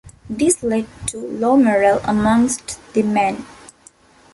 This led to low morale amongst the men.